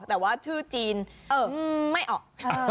แต่ว่าชื่อจีนไม่ออก